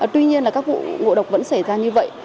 tuy nhiên là các vụ ngộ độc vẫn xảy ra như vậy